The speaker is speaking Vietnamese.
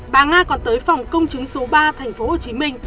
bà nga còn tới phòng công chứng số ba tp hcm